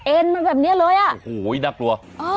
เอ็นมันแบบเนี้ยเลยโหดับลัว